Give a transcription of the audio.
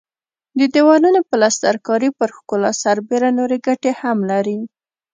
د دېوالونو پلستر کاري پر ښکلا سربېره نورې ګټې هم لري.